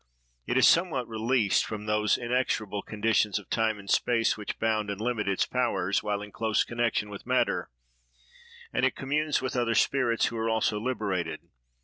It is somewhat released from those inexorable conditions of time and space which bound and limit its powers, while in close connection with matter, and it communes with other spirits who are also liberated.